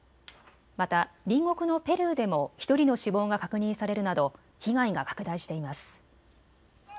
また隣国のペルーでも１人の死亡が確認されるなど被害が拡大しています。